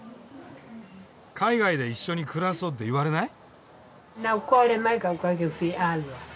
「海外で一緒に暮らそう」って言われない？